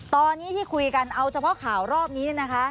ตอนนี้ที่คุยกันเอาเฉพาะข่าวรอบนี้